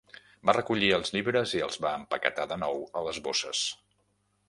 Va recollir els llibres i els va empaquetar de nou a les bosses.